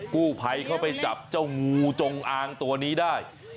กู้ภัยเข้าไปจับเจ้างูจงอางตัวนี้ได้